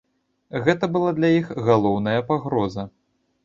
Гэта была для іх галоўная пагроза.